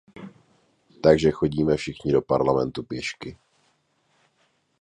Takže choďme všichni do Parlamentu pěšky!